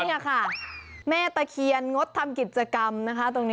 นี่ค่ะแม่ตะเคียนงดทำกิจกรรมนะคะตรงนี้